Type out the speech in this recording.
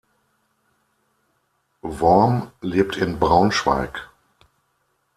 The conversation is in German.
Worm lebt in Braunschweig.